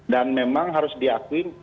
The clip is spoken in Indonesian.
dan memang harus diakui